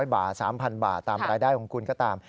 ๐บาท๓๐๐บาทตามรายได้ของคุณก็ตาม